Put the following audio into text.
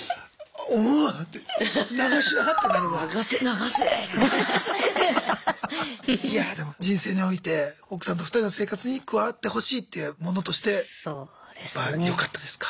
おおいやでも人生において奥さんと２人の生活に加わってほしいというものとしてやっぱよかったですか？